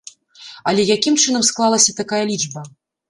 Але якім чынам склалася такая лічба?